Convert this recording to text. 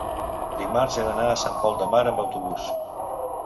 dimarts he d'anar a Sant Pol de Mar amb autobús.